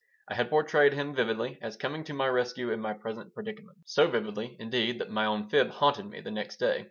I had portrayed him vividly as coming to my rescue in my present predicament, so vividly, indeed, that my own fib haunted me the next day.